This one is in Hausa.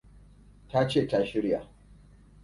Ta ce ta shirya.